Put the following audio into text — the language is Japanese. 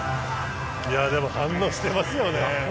でも、反応してますね。